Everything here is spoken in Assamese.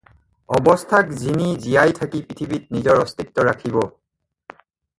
অৱস্থাক জিনি জীয়াই থাকি পৃথিবীত নিজৰ অস্তিত্ব ৰাখিব